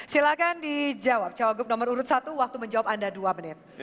silahkan dijawab cawagup nomor urut satu waktu menjawab anda dua menit